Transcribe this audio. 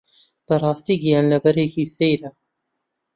بەڕاستی گیانلەبەرێکی سەیرە